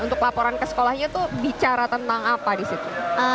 untuk laporan ke sekolahnya tuh bicara tentang apa disitu